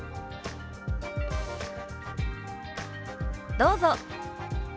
どうぞ。